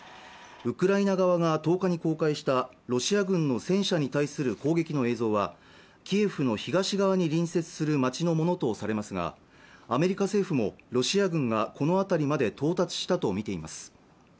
ウクライナ側が１０日に公開したロシア軍の戦車に対する攻撃の映像はキエフの東側に隣接する町のものとされますがアメリカ政府もロシア軍がこの辺りまで到達したとみています